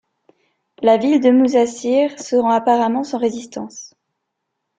La ville de Musasir se rend apparemment sans résistance.